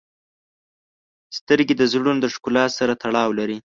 • سترګې د زړونو د ښکلا سره تړاو لري.